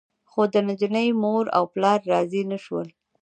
خو د نجلۍ مور او پلار راضي نه شول.